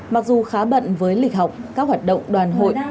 mặc dù khá bận với lịch học các hoạt động đoàn hội